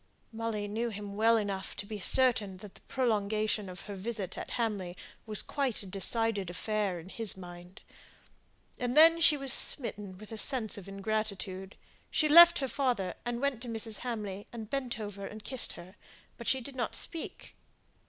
Molly knew him well enough to be certain that the prolongation of her visit at Hamley was quite a decided affair in his mind; and then she was smitten with a sense of ingratitude. She left her father, and went to Mrs. Hamley, and bent over her and kissed her; but she did not speak.